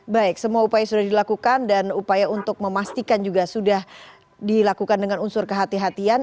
baik semua upaya sudah dilakukan dan upaya untuk memastikan juga sudah dilakukan dengan unsur kehatian